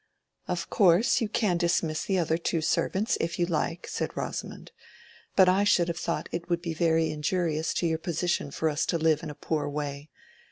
"Of course you can dismiss the other two servants, if you like," said Rosamond; "but I should have thought it would be very injurious to your position for us to live in a poor way.